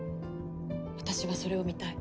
私はそれを見たい。